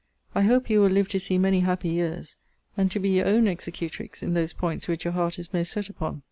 I hope you will live to see many happy years; and to be your own executrix in those points which your heart is most set upon.